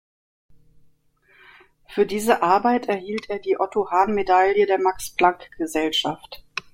Für diese Arbeit erhielt er die Otto-Hahn-Medaille der Max-Planck-Gesellschaft.